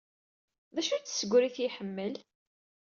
D acu-tt tsegrit ay iḥemmel?